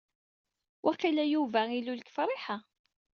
Waqila, Yuba ilul deg Friḥa.